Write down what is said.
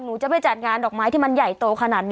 หนูจะไปจัดงานดอกไม้ที่มันใหญ่โตขนาดนี้